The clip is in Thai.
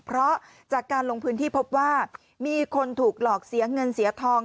เพราะจากการลงพื้นที่พบว่ามีคนถูกหลอกเสียเงินเสียทอง